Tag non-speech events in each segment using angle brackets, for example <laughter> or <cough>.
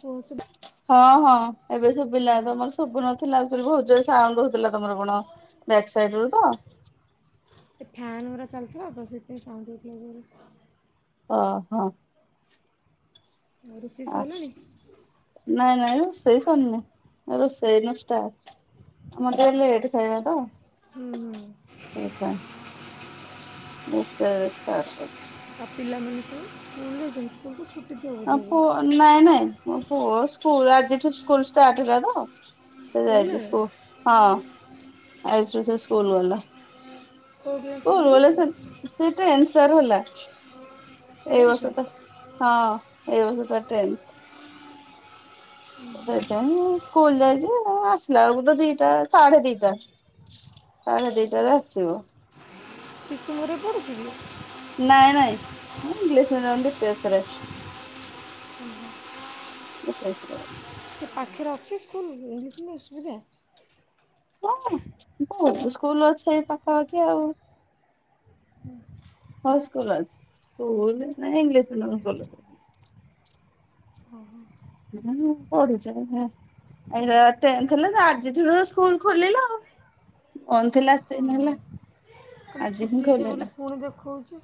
କୁହ ଶୁ ହଁ ହଁ ଏବେ ସବିଲା ହଁ ତମର ସବୁ ନଥିଲା ଆଉ ଭଜ। ସାଉଣ୍ଡ ହୋଉଥିଲା ତମର କଣ ବ୍ୟାକ୍ ସାଇଡ ରୁ ତ। ଏ ଫ୍ୟାନ ଗୁରା ଚାଲୁଥିଲା ତ ସେଥି ସାଉଣ୍ଡ ହୋଉଥିଲା ଜୋରେ। ଓ ହୋ ଆଉ ରୋଷେଇ ଆ ସଇଲାଣି? ନାଇଁ ନାଇଁ ସେଇ ସରିନି। ରୋଷେଇ ଏଇନୁ ଷ୍ଟାର୍ଟ ମତେ ଲେଟ ଖାଇବା ତ। ହୁଁ ହୁଁ ସୋ ସେ। ପିଲାମାନଙ୍କୁ ସ୍କୁଲଜନ୍ ସ୍କୁଲକୁ ଚୁ। ପୁଅ ନାଇଁ ନାଇଁ ମୋ ପୁଅ ସ୍କୁଲ ଆଜିଠୁ ସ୍କୁଲ ଷ୍ଟାର୍ଟ ହେଲା ତ। ଅଫ ସେ ଯାଇଛି ଖୋଲିଲାଣି? ସ୍କୁ ହଁ ଆଜିଠୁ ସେ ଷ୍କୁ <unintelligible> କୋଉ <unintelligible> କ୍ଲାସରେ ପଢ଼ୁଛି? ସାର ହେଲା ଏ ବର୍ଷ ଟେନ୍ଥରେ? ତ ହଁ ଏ ବର୍ଷ ତାର ଟେନ୍ଥ ହେଲା। ସେଥିପାଇଁଁ ମୁଁ ସ୍କୁଲ ଯାଇଛି ମୁଁ ଆସିଲା ବେଳକୁ ତ ଦି ତ ସାଢ଼େ ଦିଟା। ସାଢ଼େ ଦିଇଟା ରେ ଆଚସିବ। ଶିଶୁ ମରେ ପଢୁଚି କି? ଏ ଇଂଲିଶ ମିଡିଅମ ଡିପ୍ରେସ ରେ ଡିପ୍ରେସ ରେ। ସେ ପାଖରେ ଅ ଅଛି ସ୍କୁଲ ଇଂଲିଶ ମିଡିୟମ ସୁବିଧା? ହୁଁ ବହୁତ ସ୍କୁଲ ଅଛି ଏଇ ପାଖାପାଖି ଆଉ। ସବୁ ସ୍କୁଲ ଅଛି ସ୍କୁଲ କିଛି ନାଇ ଇଂଲିଶ ମିଡିୟମ <unintelligible> ପଢୁଛି ଏରା ଆ ଟେନ୍ଥ ହେଲା ଆଜିଠୁ ଏରା ସ୍କୁଲ୍ ଖୋଲିଲା ଆଉ ବନ୍ଦ ଥିଲା ହଁ ଏତେଦିନ ହେଲା। ଆଜି ହିଁ ଛୁଟି ହେଇଯିବ ଖୋଲିଲା ବୋଲି ପୁଣି ଦେଖାଉଚି।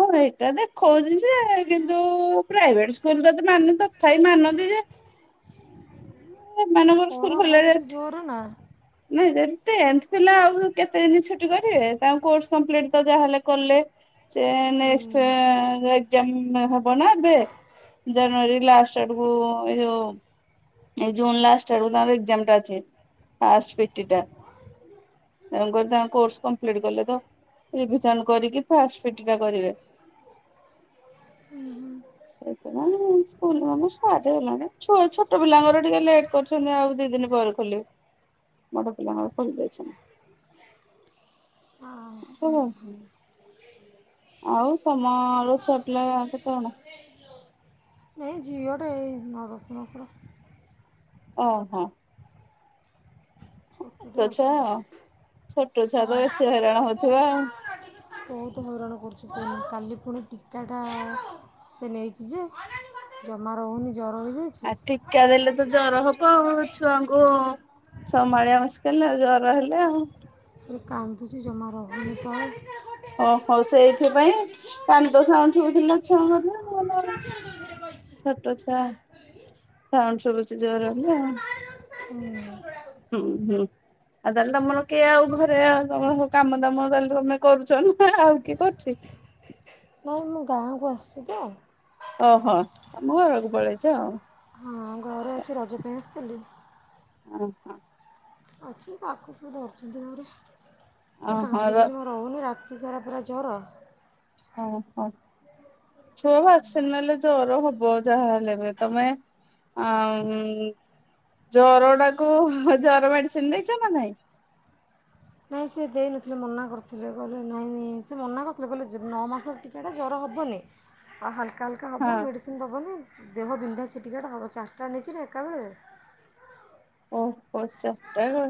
ହଁ ଏଇଟା ଦେଖଉଛି ଯେ କିନ୍ତୁ ପ୍ରାଇଭେଟ ସ୍କୁଲ ତ ଏତେ ମାନ ତଥାପି ମାନନ୍ତି ଯେ ଏମାନଙ୍କର ସ୍କୁଲ ଖରା ଖୋଲିଲାଣି ହଉଚି ଜୋର ନା ନାଇଁ ଯଦି ଟେନ୍ଥ ପିଲା ଆଉ କେତେଦିନ ଛୁଟି କରିବେ ତାଙ୍କ କୋର୍ସ କ୍ୟାମ୍ପ୍ଲିଟ ତ ଯାହାହେଲେ କଲେ ସେ ନେଷ୍ଟ ହୁଁ ଏଜ୍ଜାମ ହବ ନା ଏବେ ଜାନୁଆରୀ ଲାଷ୍ଟ ଆଡକୁ ଏ ଯୋଉ ଏଇ ଜୁନ ଲାଷ୍ଟ ଆଡକୁ ତାଙ୍କର ଏକଜାମ୍ ଟା ଅଛି ଫାଷ୍ଟ ପିଟି ଟା ତେଣୁ କରୀ ତାଙ୍କ କୋର୍ସ କଂପ୍ଲିଟ୍ କଲେ ତ ରିଭିଯନ୍ କରିକି ଫାଷ୍ଟ ପିଟି ଟା କରିବେ। <unintelligible> ଛୋଟ ପିଲାଙ୍କର ଟିକେ ଲେଟ୍ କରିଛନ୍ତି ଆଉ ଦି ଦିନି ପରେ ଖୋଲିବେ ବଡ଼ ପିଲାଙ୍କର ଖୋଲି ଦେଇଛନ୍ତି <unintelligible> ଆ ହଁ। ଆଉ ତମର ଛୁଆ ପିଲା କେତେ କଣ? ଏଇ ଝିଅଟେ ଏଇ ନଅ ଦଶ ମାସର। ଓ ହୋ। <unintelligible> ଛୁଆ ଆଉ। ଛୋଟ ଛୁଆ ତ ବେଶୀ ହଇରାଣ ହଉଥିବ ଆଉ। ବହୁତ ହଇରାଣ କରୁଛି। କାଲି ପୁଣି ଟୀକାଟା ସେ ନେଇଛି ଯେ ଜମା ରହୁନି। ଜ୍ୱର ହେଇଯାଇଛି ଆ ଟୀକା ଦେଲେ ତ ଜର ହବ ଆଉ। ଖାଲି ଛୁଆଙ୍କୁ ସମ୍ଭାଳିିବା ମୁସ୍କିଲ ଆଉ ଜର ହେଲେ ଆଉ। କାନ୍ଦୁଛି ଜମା ରହୁନି ତଳେ। ଓହୋ ସେଇଥିପାଇଁ କାନ୍ଦ ସାଉଣ୍ଡ ଶୁଭୁଥିଲା ଛୁଆଙ୍କ। ମୁଁ କହିଲି ଆଉ ଛୋଟ ଛୁଆ। ସାଉଣ୍ଡ ସବୁଚି ଜୋରେ ହେଲେ ଆଉ ହୁଁ ହୁଁ ଆଉ ତାହେଲେ ତମର କିଏ ଆଉ ଘରେ ଆ ତମର କାମ ଦାମ ତାହଲେ ତମେ କରୁଛ ନା ଆଉ କିଏ କରୁଛି? ନାଇ ମୁଁ ଗାଁରେ ଆସିଛି ତ। ଓହୋ ତମ ଘରକୁ ପଳେଇଛ ଆଉ। ହଁ ଘରେ ଅଛି। ରଜ ପାଇଁ ଆସିଥିଲି। ଓ ହୋ। ଅଛି ପାଖ ସବୁ ଧରୁଛନ୍ତି ଘରେ ତ ଓହୋ ର କାନ୍ଦୁଚି ଜମା ରହୁନି ରା ସାରା ପୁରା ଜର। ଅ ହ। ଛୁଆ ଭାକ୍ସିନି ନେଲେ ଜର ହବ ବହୁ ଯାହା ହେଲେ ତମେ ଜର ଟାକୁ ଜର ମେଡିସିନ ଦେଇଛ ନା ନାଇଁ? ନାଇଁ ସେ ଦେଇନଥିଲେ ମନା କରିଥିଲେ କହିଲେ ନାଇଁ ନାଇଁ ସେ ମନା କରିଥିଲେ କହିଲେ ନଅ ମାସ ଟିକାଟା ଜର ହେବନି ଆଉ ହାଲ କା ହାଲ୍କା ହଁ ହେବ ମେଡ଼ିସିନ ଦବନି ଦେହ ବିନ୍ଧା ଛିଟିକା ଟା ହେବ ଚାରିଟା ନେଇଛି ନା ଏକାବେଳେ ଓ ହୋ ଚାରିଟା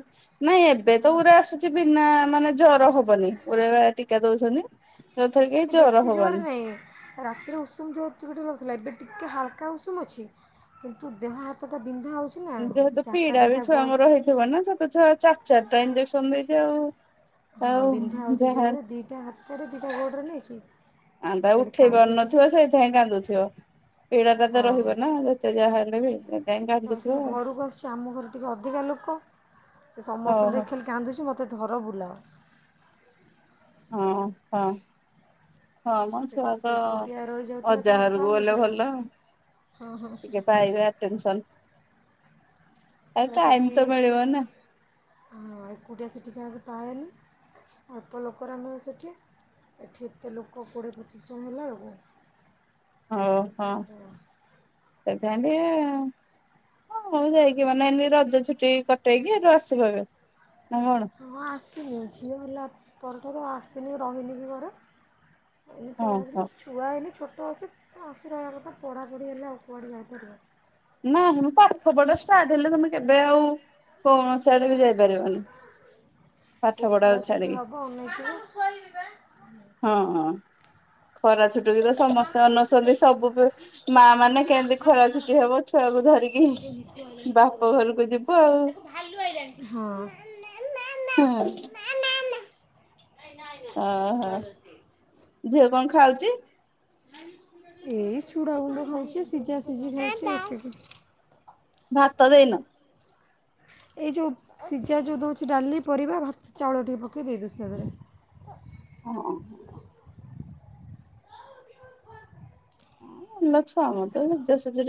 ନାଇଁ ଏବେ ତ ପୁରା ଆସୁଛି ବିନା ମାନେ ଜର ହବନି ପୁରା ଟିକା ଦଉଛନ୍ତି। ଯୋଉଥିରେ କି ଜର ବେଶୀ ଜୋର ହବନି ନାହିଁ ରାତିରେ ଉଷୁମ ଟିକେ ଟିକେ ଏବେ ଟିକେ ହାଲକା ଉଷୁମ ଅଛି କିନ୍ତୁ ଦେହ ହାତ ଟା ଏମିତିରେ ତ ପିଡା ବି ଛୁଆ ଙ୍କ ର ହେଇଥିବା ନା ଛୋଟ ଛୁଆ ଚାରି ଚାରି ଟା ଇଞ୍ଜେକ୍ସନ ଦେଇଥିବେ ଆଉ। ହଁ ଆଉ ବିନ୍ଧା ହଉଛି ଯାହା ଜୋରେ ଦିଟା ହା ହାତରେ ଦିଟା ଗୋଡ଼ ରେ ନେଇଛି ଆ ସେ ତା ଖାଲି ଉଠେଇ କାନ୍ଦୁଛି ଯେ ପାରୁନଥିବ ସେଇଥିପାଇଁ କାନ୍ଦୁଥିବ ପୀଡ଼ା ଟା ତ ହଁ। ରହିବ ନା ଯେତେ ଯାହା ହେଲେ ବି। ସେଥିପାଇଁ ତ କାନ୍ଦୁଥିବ ସେ ଆଉ। ଘରକୁ ଆସିଛି ଆମ ଘରେ ଟିକେ ଅଧିକା ଲୋକ ସେ ହଉ ହଉ। ସମସ୍ତଙ୍କୁ ଦେଖିଲେ କାନ୍ଦୁଛି ମୋତେ ଧର ବୁଲାଅ ହଁ ହଁ। ହଁ ମ ସେଠି ଛୁଆ ସେ ତ ଏକୁଟିଆ ରହିଯାଉଥିଲା ଅଜା କାହାକୁ ଘରକୁ ଗଲେ ପାଉନଥିଲା ଭଲ ହଁ ହଁ। ଟିକେ ପାଇବେ ଆଟେନ୍ସନ। ହ ସେଠି ମିଳିବ ନା ହଁ ଏକୁଟିଆ ସେଠି କାହାକୁ କଣ କହିଲ ଅଳ୍ପ ଲୋକରେ ଆମେ ସେଠି ଏଠି ଏତେ ଲୋକ କୋଡ଼ିଏ ପଚିଶ ଜଣ ହେଲାବେଳକୁ ଓ ହଁ। ସେମିତି ହ ଘରକୁ ଯାଇକି ମାନେ ଏମତି ରଜ ଛୁଟି କଟେଇକି ଏଠୁ ଆସିବ ଏବେ? ନା କଣ ହଁ ଆସିନି ଝିଅ ହେଲା ପରଠାରୁ ଆସିଲି ରହିଲି ବି ଘରେ ଏ ହଁ ପଳେଇ ହଉ। ଆସିଲି ଛୁଆ ଏଇନା ଛୋ ଟ ତ ସେ ଆସି ରହିବା କଥା ପଢ଼ାପଢ଼ି ହେଲେ ଆଉ କୁଆଡ଼େ ଯାଇପାରିବ। ନାହିଁ ମ ପାଠ ପଢା ଷ୍ଟାର୍ଟ ହେଲେ ତମେ କେବେ ଆଉ କୌଣସି ଆଡେ ବି ଯାଇପାରିବନି। ପାଠ ପୁଅ ଖରା ପଢାକୁ ଛୁଟି ଛାଡିକି ହବ ଅନେଇ ଥିବ ହଁ ଖରା ଛୁଟ ଟି ରେ ସମସ୍ତେ ମତେ ଅନଉଛନ୍ତି ଶୋଇବି ସବୁ ମା ମାନେ କେମତି ଖରାଛୁଟି ହବ ଛୁଆକୁ ଧରିକି ବାପ ଘରକୁ ଯିବ ଆଉ। ହଁ <unintelligible> ନାଇଁ ନାଇଁ ହଁ ନାଇଁ ହଁ ଭାଲୁ ଅଛି ଝିଅ କଣ ଖ ଖାଉଛି? ଏଇ ଚୁଡ଼ା ଗୁଣ୍ଡ ଖାଉଛି ସିଝା ସିଝି ଖାଉଛି ଏତିିକି। ଭାତ ଦେଇନ। ଏଇ ଯେଉଁ ସିଝା ଯୋଉ ଦେଉଛି ଡାଲି ପରିବା ଭାତ ଚାଉଳ ଟିକେ ପକେଇ ଦେଇ ଦଉ <inaudible> <unintelligible> <inaudible> ଏଇ ଟାଇମରେ ଖାଆନ୍ତି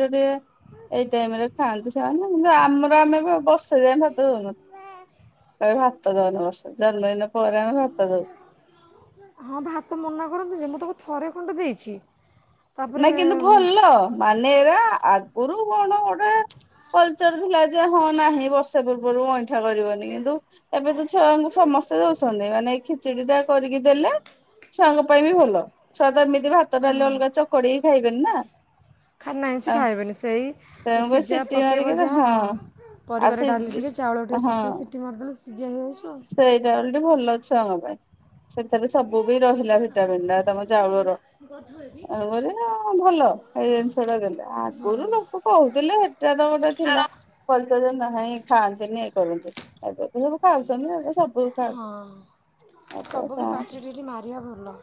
ସେମାନେ କିନ୍ତୁ ଆମର ଆମେ ବି ବ। <inaudible> ଜନ୍ମଦିନ ପରେ ଆମେ ଭାତ ଦଉ। ହଁ ଭାତ ମନା କରନ୍ତି ଯେ ମୁଁ ତାକୁ ଥରେ ଖଣ୍ଡ ଦେଇଛି। ନାଁ ତାପରେ କିନ୍ତୁ ଭଲ ମାନେ ଏରା ଆ ଗୁରୁ କଣ? ଆ କଲଚର ଥିଲା ଯେ ହଁ ନାହିଁ ବର୍ଷେ ପୂର୍ବରୁ ଅଇଁଠା କରିବନି କିନ୍ତୁ ଏବେ ତ ଛୁଆଙ୍କୁ ସମସ୍ତେ ଦଉଚନ୍ତି ମାନେ ଖିଚିଡି ଟା କରିକି ଦେଲେ ଛୁଆଙ୍କ ପାଇଁ ବି ଭଲ। ଛୁଆ ତ ଭାତ ଡ଼ାଲି ଅଲଗା ଚ ନାଇଁ ସେ ଖାଇବେନି ସେଇ ତେଣୁକରି ସିଜା ସିଟି ପକେଇବ ମାରିକି ହଁ ଯାହା ଆଉ ସେ ପରିବାରେ ଡାଲି ଟିକେ ଚାଉଳ ଟିକେ ହଁ ପକେଇ ସିଟି ମାରଦେଲେ <inaudible> ଅଟା ଭଲ ଛୁଆ ହୁଅନ୍ତା ସେଟରେ ସବୁ ରହିଲା ଭିଟାମିନ ଆ ପାଠ ତମ ପଢ଼ିବି ନା ଚାଉଳର ମୁଁ ଗଧ ହେବି। ଏ ଭଲ ଏଇ ଜିନିଷ ଟା ଦେଲ, ଆଗରୁ ଲୋକ କହୁଥିଲେ ସେଟା ତ ଗୋଟେ ଥିଲା ପରିଚୟ ନା ନାଇଁ ଖାଆନ୍ତିନି ଇଏ କରନ୍ତିନି। <unintelligible> ଖାଉଛନ୍ତି ଏଡ଼େ ସବୁ ହଁ ଖାଉଛନ୍ତି ସବୁ ବି ପାଟିରେ ଟିକେ ଟିକେ ମାରିବା ଭଲ।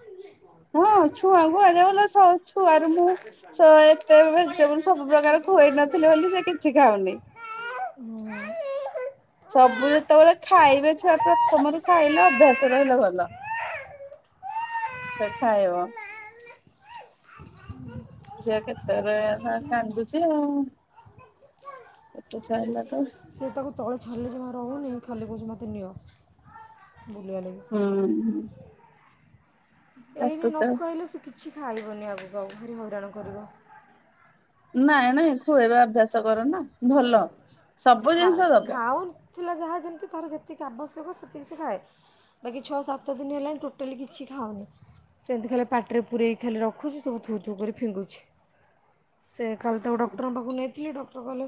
ହଁ ଛୁଆ କୁହା ଆଜ କାଲ ସଉ ଛୁଆର ମୁଁ ବେପାର କରିପାରୁନି ଏତେ ପଳେଇ ଭେଜିଟେବୁଲ ଆସିଲାଣି ସବୁ ଦୋକାନ ପ୍ରକାର ମାନଙ୍କରୁ ଖୁଏଇ ବଡ଼ ଝିଅ ନଥିଲି ଅଛି। ବୋଲି ସେ କିଛି ଖାଉନି। ସବୁ ଯେତେବେଳେ ଖାଇବେ ଛୁଆ ପୁରା ଛମରୁ ଖାଇଲେ ଅଭ୍ୟାସ ରହିଲେ ଭଲ। ଛୁଆ ଖାଇବ <inaudible> ତାପରେ ଅ କାନ୍ଦୁଚି ଆଉ। ଛୋଟ ଛୁଆ ହେଲାଠୁ ସେ ତାକୁ ତଳେ ଛାଡିଲେ ଯମା ରହୁନି। ଖାଲି କହୁଚି ମୋତେ ନିଅ। ବୁଲିବା ହୁଁ ହୁଁ ଲାଗି ଏଇନାଇ କାଟୁଚ ନଖାଇଲେ ସେ କିଛି କିଛି ଖାଇବନି ଆଗକୁ ଆଉ ଭାରି ହଇରାଣ କରିବ। ନା ନାଇଁ ଖୁଆଇଵା ଅଭ୍ୟାସ କର ନା ଭଲ। ସବୁ ଜିନିଷ ଖାଉ ଦବ। ଖାଉନଥିଲା ଯାହା ଯେମିତି ତାର ଯେ ସେତିକି ଆବଶ୍ୟକ ସେତିକି ସେ ଖାଏ ବାକି ଛଅ ସାତ ଦିନ ହେଲା ଟୋଟାଲି କିଛି ଖାଉନି ସେମିତି ଖାଲି ପାଟିରେ ପୁରେଇକି ଖାଲି ରଖୁଚି ସବୁ ଥୁ ଥୁ କରି ଫିଙ୍ଗୁଚି ସେ କାଲି ତାକୁ ଡକ୍ଟରଙ୍କ ପାଖକୁ ନେଇଥିଲି ଡକ୍ଟର କହିଲେ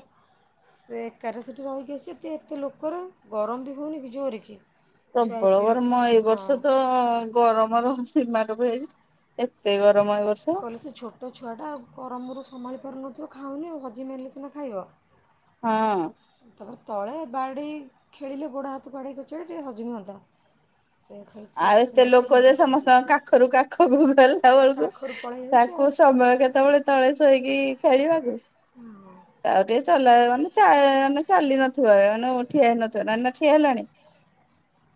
ସେ କ୍ୟାରସିଟି ରହିକି ଅଛି ସେଠି ଏତେ ଲୋକର ଗରମ ବି ହେଉନି କି ଜୋରରେ କି? ଛୁଆ ପ୍ରବଳ ବିରକ୍ତ ଗରମ ଏଇ ହଁ ବର୍ଷ ତ ଗରମର ସୀମା <unintelligible> ଏତେ ବା କହିଲେ ସେ ଛୋଟ ଛୁଆଟା ପରମରୁ ସମାଳି କରନ ତ ଖାଉନି ଆଉ ହଜମ ହେଲେ ସିନା ଖାଇବ। ହଁ। ତାପରେ ତ ତଳେ ବାଡ଼ି ଖେଳିଲେ ଗୋଡ଼ ହାତ କଡ଼େଇ କଚାଡୁଚି, ହଜମ ହୁଅନ୍ତା। ସେ ଖାଲି ଆଉ ସମସ୍ତଙ୍କୁ ଏତେ ଦେଖି ଲୋକ ଯେ ଖାଲି ସମସ୍ତଙ୍କ କାଖରୁ କାଖକୁ ଗଲା ବେଳକୁ କାଖରୁ ପଳେଇ ଯାଉଛି ଆଉ ତାକୁ ସମୟ କେତେବେଳେ ତଳେ ଶୋଇକି ଖେଳିବାକୁ ଆଉ ଟିକେ ଚଲା ମାନେ ନେ ଚାଲି ନଥିବ ଠିଆ ହେଇନଥିବ ନ ନା ଠିଆ ହେଲାଣି।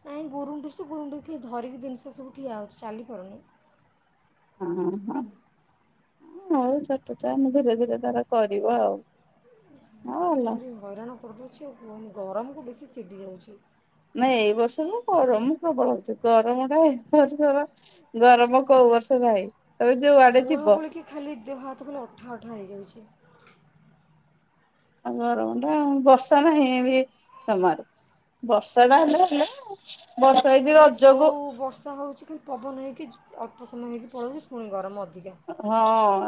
ନାଇଁ ଗୁରୁଣ୍ଡ ତ ଗୁରୁଡି ଧରିକି ଜିନିଷ ସବୁ ଠିଆ ହେଉଛି ଚାଲିପାରୁନି। ହ ହ ହଉ ଛୋଟ ଚାମେ ଧୀରେ ଧୀରେ ତାର କରିବ ଆଉ। ହଁ ଭଲ ଏର ଭରାଣ ପତଛି ପନୁ ଗରମକୁ ବେଶି ଚିଟି ଯାଉଛି। ନାଇଁ ଏଇ ବର୍ଷ ତ ଗରମ ପ୍ରବଳ ହଉଛି ଗରମ ଟା ଏ ବର୍ଷର ଗରମ କୋଉ ବର୍ଷ ନାହିଁ। ତମେ ଯୋଉଆଡେ ଗୋଳୁ ଯିବ ଗୋଳିକ କି ଖାଲି ଦେହ ହାତ ଖାଲି ଅଠା ଅଠା ହେଇଯାଉଛି। <inaudible> ଆଉ ଘ ରଣ୍ଡ ବସ୍ତ ନା ଏ ବି ତମାରୁ ବର୍ଷା ଟା ହେଲେ ହେଲା ବର୍ଷା ଏଇକି ରଜକୁ ପବନହିଁ କି? ପୋଟ ସମୟ ହେଇକି ପଳଉଛିୁଣି ଗରମ ଅ ହଁ।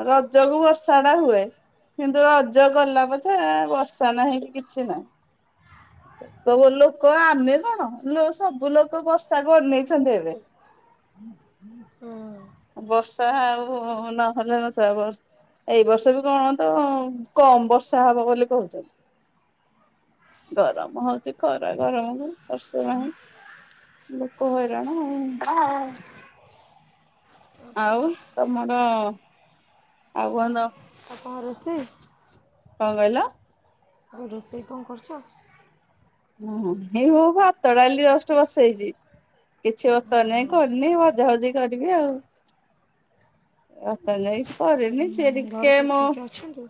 ରଜକୁ ବର୍ଷା ଟା ହୁଏ କିନ୍ତୁ ରଜ ଗଲା ବଛେ ବର୍ଷା ନାହିଁ କି କିଛି ନାହିଁ। ଲୋକ ଆମେ କଣ ସବୁ ଲୋକ ବର୍ଷା କରି ନେଇଛନ୍ତି ଏବେ। ହୁଁ। ବର୍ଷା ଆଉ ନହେଲେ ନଥିବାଷ ଏଇ ବର୍ଷ ବି କଣ ତ କମ ବର୍ଷା ହବ ବୋଲି କହୁଛନ୍ତି ଗରମ ହଉଛି ଖରା ଗରମକୁ ବର୍ଷେ ପାଇଁହିଁ ଲୋକ ହଇରାଣ ଆଉ। କ'ଣ ଆଉ କରିବା ତମର ଆଉ କହନ୍ତ। ଆ ସେ କଣ କହିଲ? ଆଉ ରୋଷେଇ କଣ କରୁଛ? ଓ ଏଇ ହୋ ଭାତଡାଲି ଦଷ୍ଟ ବସେଇଛି କିଛି ବତର ଯାଇ କରିନି ଭଜାଭଜି କରିବି ଆଉ ବତର ଯାଇ କରିନି। ସିଏ ଘରେ ସବୁ କି କିଏ ଅଛନ୍ତି?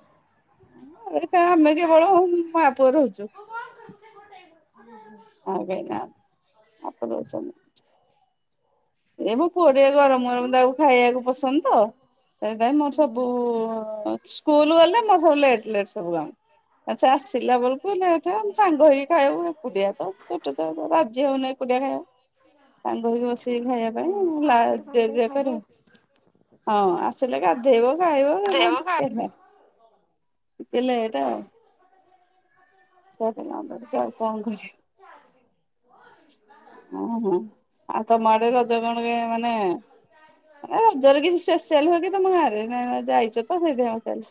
ଏଟା ଆମେ କେବଳ ହଉ ମପୁଅ ରହୁଛୁ। ଆ ଭାଇ ନା ଆପ ଏ ମୋ ପୁଅ ଟଆ ଶାଶୁ ଗରମ ଶ୍ୱଶୁର ଗରମ ତାକୁ ଖାଇବାକୁ ପସନ୍ଦ ତ ସେଥିାଇଁ ମୋର ଉଁ, ସବୁ ସ୍କୁଲ ଗଲେ ମ। ଲଟ ଲେଟ ସବୁ କାମ ସେ ଆସିଲା ବେଳକୁ ହେଲେ ଏେ ସାଙ୍ଗ ହେଇକି ଖାଉ ଏଡିଆ ତ ଛୋଟ ରାଜି ହଉନି ଏକୁଡିଆ ଖାଇ ସାଙ୍ଗ ଖାଇବା ଉଁ, ଆସିଲେ ସାଙ୍ଗ ହେଇ ପାଇଁ କରିବା ହଁ ଆସିଲେ। ଦେବ। ହ ଖାଇଦେବେ ଗଣ୍ ମ ପିଲ ଏଟା ର ଆଉ କଣ କରିବା ଓହୋ ଆଉ ତମ ଆଡେ ରଜ କଣ ମାନେ ରଜରେ କିଛି ସ୍ପେଶଆ ହୁଏ କି ତମ ଘରେ ଯାଇଛ ତ ସେଇଥି ଚାଲି।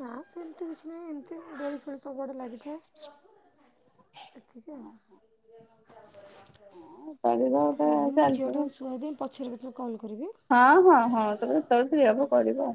ନା ସେମିତି କିଛି ନାହିଁ ଏମିତି ଗଳି ଫଳି ସବୁଆଡ଼େ ଲାଗିଥାଏ ଏତିକି ଆ। ହଁ କରିବା ଗୋଟେ ହଁ ମୁଁ ଝିଅ ଚାଲିଛି ଟା ଶୁଆଦି ପଛରେ ରୁ କଣ? ହଁ ହଁ ହଁ ତମେ ଯେତେବେଳେ ଫ୍ରିହବ କରିବ ଆ